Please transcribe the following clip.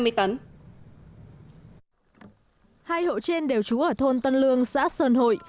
hai hộ trên đều trú ở thôn tân lương xã sơn hội